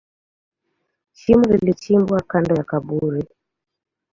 Shimo lilichimbwa kando ya kaburi.